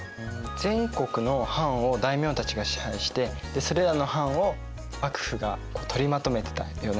全国の藩を大名たちが支配してそれらの藩を幕府がとりまとめてたよね。